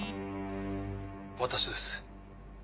私です。